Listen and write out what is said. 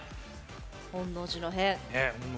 「本能寺の変」。